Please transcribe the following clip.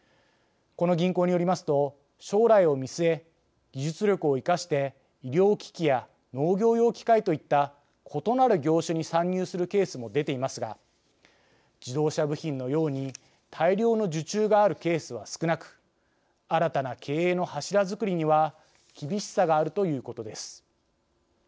この銀行によりますと将来を見据え、技術力を生かして医療機器や農業用機械といった異なる業種に参入するケースも出ていますが自動車部品のように大量の受注があるケースは少なく新たな経営の柱づくりには厳しさがあるということです。